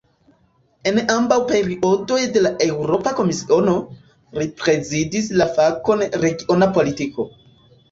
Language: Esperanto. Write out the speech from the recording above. En ambaŭ periodoj de la Eŭropa Komisiono, li prezidis la fakon "regiona politiko".